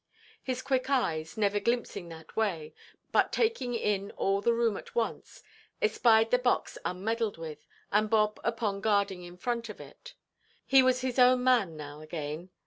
His quick eyes, never glimpsing that way, but taking in all the room at once, espied the box unmeddled with, and Bob upon guard in front of it. He was his own man now again.